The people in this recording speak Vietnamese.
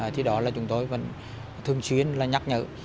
thì đó là chúng tôi vẫn thường xuyên là nhắc nhở